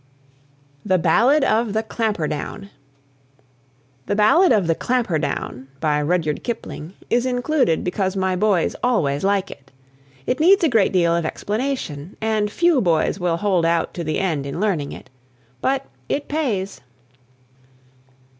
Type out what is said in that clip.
THE BALLAD OF THE "CLAMPHERDOWN." "The Ballad of the Clampherdown," by Rudyard Kipling, is included because my boys always like it. It needs a great deal of explanation, and few boys will hold out to the end in learning it. But "it pays."